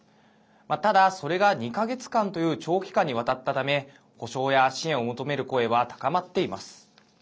ただ、それが２か月間という長期間にわたったため補償や支援を求める声は高まっています。